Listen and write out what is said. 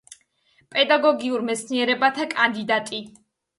პედაგოგიურ მეცნიერებათა კანდიდატი.